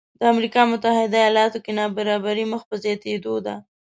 د امریکا متحده ایالاتو کې نابرابري مخ په زیاتېدو ده